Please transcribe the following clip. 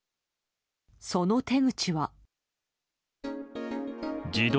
その手口は。